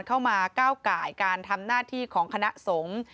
เข้ามาก้าวกายการทำหน้าที่ของคณะสงฆ์